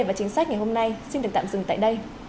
và chính sách ngày hôm nay xin được tạm dừng tại đây